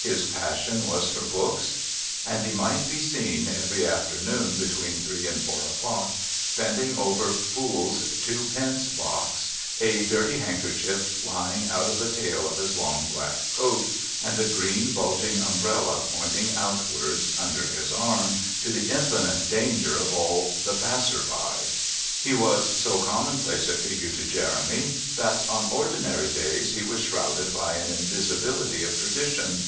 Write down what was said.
His passion was for books, and he might be seen every afternoon, between three and four o'clock, bending over Poole's 2d. box, a dirty handkerchief flying out of the tail of his long, black coat, and a green, bulging umbrella, pointing outwards, under his arm, to the infinite danger of all the passers by. He was so commonplace a figure to Jeremy that, on ordinary days, he was shrouded by an invisibility of tradition.